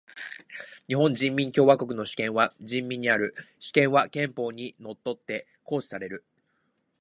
日本人民共和国の主権は人民にある。主権は憲法に則って行使される。